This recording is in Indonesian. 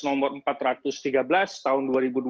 nomor empat ratus tiga belas tahun